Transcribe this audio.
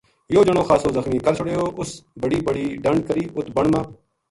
یوہ جنو خاصو زخمی کر چھُڑیو اس بڑی بڑی ڈَنڈ کری اُت بن ما